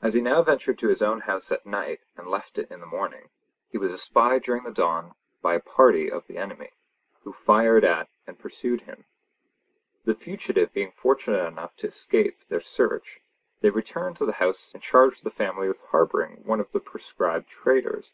As he now ventured to his own house at night and left it in the morning, he was espied during the dawn by a party of the enemy, who fired at and pursued him. The fugitive being fortunate enough to escape their search, they returned to the house and charged the family with harbouring one of the proscribed traitors.